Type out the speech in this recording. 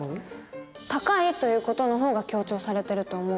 「高い」という事の方が強調されてると思う。